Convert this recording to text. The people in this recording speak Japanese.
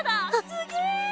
すげえ！